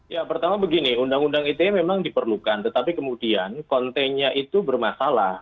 ya pertama begini undang undang ite memang diperlukan tetapi kemudian kontennya itu bermasalah